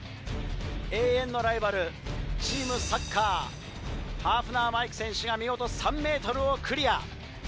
永遠のライバルチームサッカーハーフナー・マイク選手が見事３ｍをクリア。